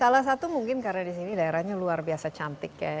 salah satu mungkin karena di sini daerahnya luar biasa cantik ya